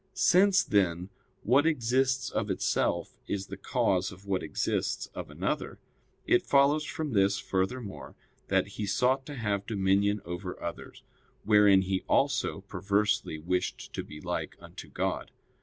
Since, then, what exists of itself is the cause of what exists of another, it follows from this furthermore that he sought to have dominion over others; wherein he also perversely wished to be like unto God.